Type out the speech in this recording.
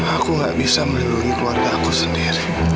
aku gak bisa melindungi keluarga aku sendiri